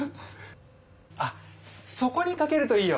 あっそこにかけるといいよ！